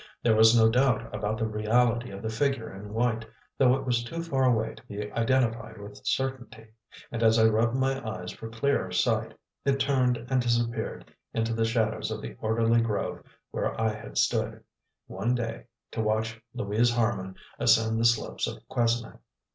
There was no doubt about the reality of the figure in white, though it was too far away to be identified with certainty; and as I rubbed my eyes for clearer sight, it turned and disappeared into the shadows of the orderly grove where I had stood, one day, to watch Louise Harman ascend the slopes of Quesnay.